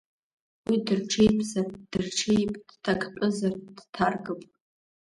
Уи дырҽеитәзар, ддырҽеип, дҭактәызар, дҭаркып.